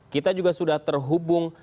kita juga sudah terhubung